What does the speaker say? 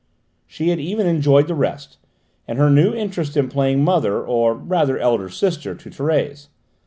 She had even enjoyed the rest, and her new interest in playing mother, or rather elder sister, to Thérèse.